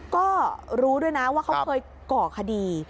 ก็รู้ด้วยนะว่าเขาเคยก่อคดี